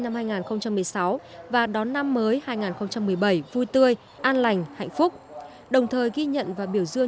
năm hai nghìn một mươi sáu và đón năm mới hai nghìn một mươi bảy vui tươi an lành hạnh phúc đồng thời ghi nhận và biểu dương